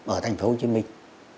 ở thành phố hồ chí minh